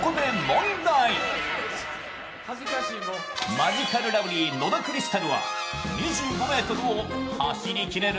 マヂカルラブリー・野田クリスタルは２５ｍを走りきれる？